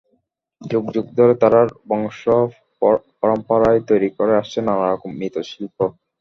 যুগ যুগ ধরে তারা বংশপরম্পরায় তৈরি করে আসছে নানা রকম মৃৎশিল্প।